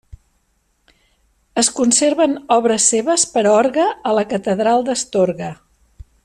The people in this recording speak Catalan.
Es conserven obres seves per a orgue a la catedral d'Astorga.